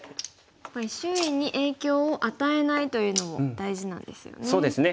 やっぱり周囲に影響を与えないというのも大事なんですよね。